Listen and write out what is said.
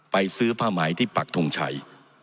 ไปซื้อผ้าไหมที่ปักทงชัย